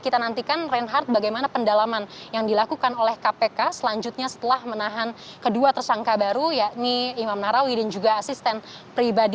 kita nantikan reinhardt bagaimana pendalaman yang dilakukan oleh kpk selanjutnya setelah menahan kedua tersangka baru yakni imam nahrawi dan juga asisten pribadi